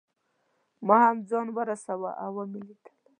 ما هم ځان ورساوه او مې لیده.